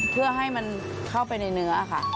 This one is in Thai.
เพื่อให้มันเข้าไปในเนื้อค่ะ